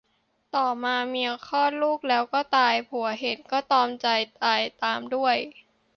ต่อมาเมียคลอดลูกแล้วก็ตาย ผัวเห็นก็ตรอมใจตายตามด้วย